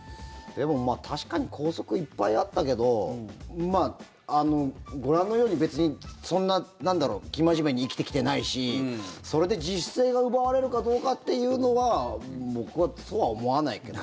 でも、確かに校則いっぱいあったけどご覧のように、別にそんな生真面目に生きてきてないしそれで自主性が奪われるかどうかっていうのは僕はそうは思わないけどね。